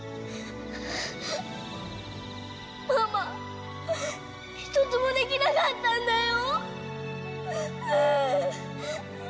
ママ、一つもできなかったんだよ。